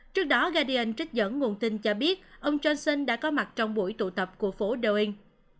trước đó gadian trích dẫn nguồn tin cho biết ông johnson đã có mặt trong buổi tụ tập của phố doing